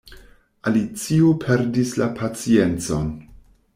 Alicio perdis la paciencon.